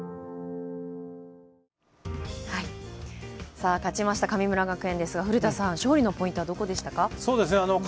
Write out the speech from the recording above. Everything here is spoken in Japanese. さあ、勝ちました神村学園ですが、古田さん、勝利のポイントはどこですか。